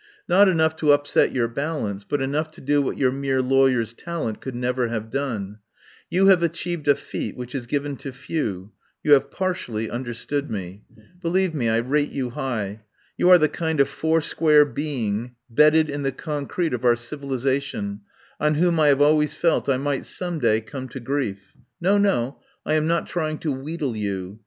Not enough to upset your balance, but enough to do what your mere lawyer's talent could never have done. You have achieved a feat which is given to few — you have partially understood me. Believe me, I rate you high. You are the kind of four square being bedded in the concrete of our civilisation, on whom I have always felt I might some day come to grief. ... No, no, I am not trying to wheedle you.